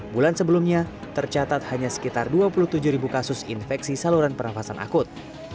bulan sebelumnya tercatat hanya sekitar dua puluh tujuh ribu kasus infeksi saluran pernafasan akut